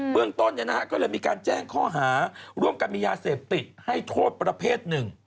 เรื่องต้นก็เลยมีการแจ้งข้อหาร่วมกันมียาเสพติดให้โทษประเภทหนึ่ง